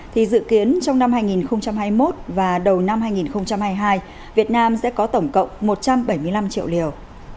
thì dự kiến trong năm hai nghìn hai mươi một và đầu năm hai nghìn hai mươi hai việt nam sẽ có tổng cộng một trăm bảy mươi năm triệu liều